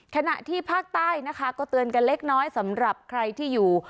ขณะที่ภาคใต้นะคะก็เตือนกันเล็กน้อยสำหรับใครที่อยู่